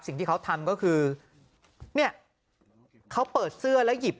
สิ่งที่เขาทำก็คือเนี่ยเขาเปิดเสื้อแล้วหยิบ